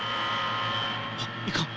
あっいかん！